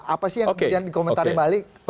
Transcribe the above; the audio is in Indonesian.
apa sih yang kemudian dikomentari balik